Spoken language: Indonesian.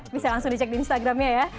bisa langsung dicek di instagramnya ya